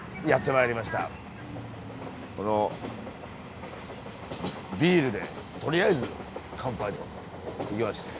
このビールでとりあえず乾杯といきます。